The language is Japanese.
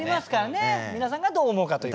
皆さんがどう思うかという。